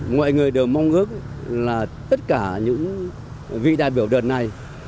mọi người đều mong ước là tất cả những vị đại biểu đợt này